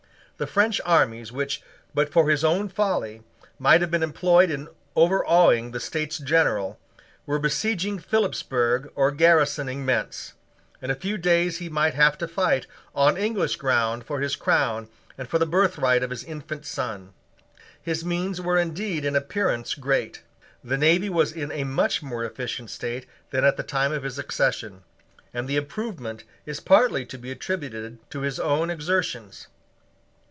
The French armies which, but for his own folly, might have been employed in overawing the States General, were besieging Philipsburg or garrisoning Mentz. In a few days he might have to fight, on English ground, for his crown and for the birthright of his infant son. His means were indeed in appearance great. The navy was in a much more efficient state than at the time of his accession: and the improvement is partly to be attributed to his own exertions.